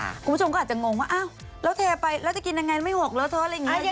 คุณผู้ชมก็อาจจะงงว่าอ้าวแล้วเทไปแล้วจะกินยังไงไม่หกแล้วเธออะไรอย่างนี้